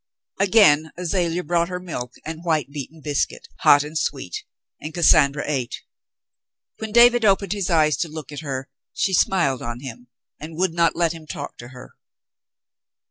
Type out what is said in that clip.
Again Azalea brought her milk and white beaten biscuit, hot and sweet, and Cassandra ate. When David opened his eyes to look at her, she smiled on him, but would not let him talk to her.